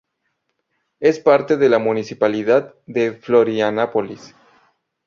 Es parte de la municipalidad de Florianópolis.